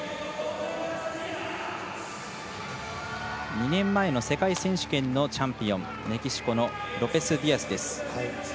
２年前の世界選手権のチャンピオンメキシコのロペスディアスです。